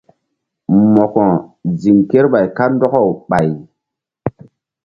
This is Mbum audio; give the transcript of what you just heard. Mo̧ko ziŋ kerɓay kandɔkaw ɓay.